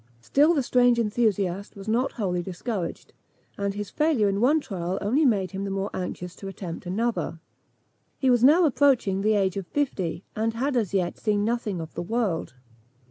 Still the strange enthusiast was not wholly discouraged, and his failure in one trial only made him the more anxious to attempt another. He was now approaching the age of fifty, and had as yet seen nothing of the world.